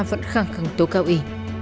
vẫn khẳng khẳng tố cáo y